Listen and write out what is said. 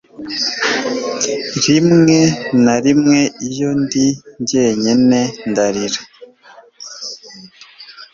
Rimwe na rimwe iyo ndi jyenyine Ndarira